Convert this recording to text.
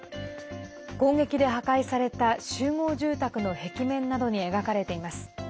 攻撃で破壊された集合住宅の壁面などに描かれています。